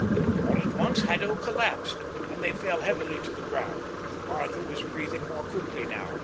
All at once Haddo collapsed, and they fell heavily to the ground. Arthur was breathing more quickly now.